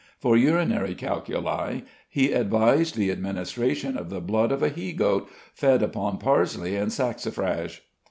For urinary calculi he advised the administration of the blood of a he goat fed upon parsley and saxifrage.